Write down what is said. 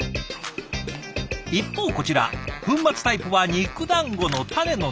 一方こちら粉末タイプは肉だんごのタネの中へ。